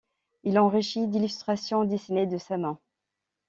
Il l'enrichit d'illustrations dessinées de sa main.